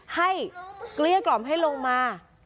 เกลี้ยกล่อมให้ลงมา